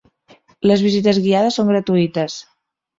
Les visites guiades són gratuïtes.